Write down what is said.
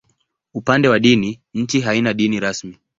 Upande wa dini, nchi haina dini rasmi.